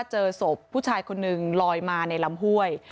เจอศพผู้ชายคนนึงลอยมาในลำห้วย